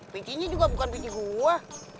peci nya juga bukan peci gue